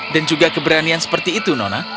dan juga keberanian seperti itu nona